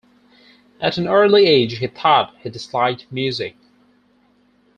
At an early age he thought he disliked music.